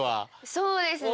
そうですね。